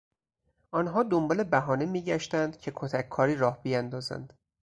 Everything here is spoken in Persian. آنها دنبال بهانه میگشتند که کتککاری راه بیاندازند.